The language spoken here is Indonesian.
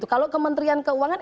kalau kementerian keuangan